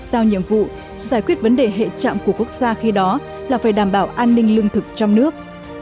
giao nhiệm vụ giải quyết vấn đề hệ trạm của quốc gia khi đó là phải đảm bảo an ninh lương thực trong nước